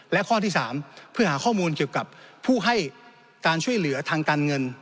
และข้อที่๓เพื่อหาข้อมูลเกี่ยวกับผู้ให้การช่วยเหลือทางการเงิน